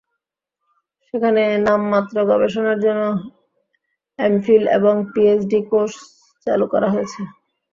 সেখানে নামমাত্র গবেষণার জন্য এমফিল এবং পিএইচডি কোর্স চালু করা হয়েছে।